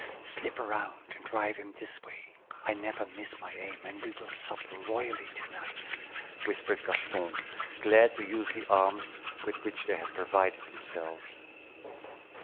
"Slip around and drive him this way. I never miss my aim, and we will sup royally to night," whispered Gaston, glad to use the arms with which they had provided themselves.